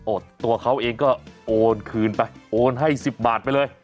ตัวเขาเองก็โอนคืนไปโอนให้๑๐บาทไปเลย